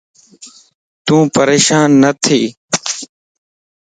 تون پريشان نٿي